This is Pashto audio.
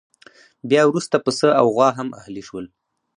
بیا وروسته پسه او غوا هم اهلي شول.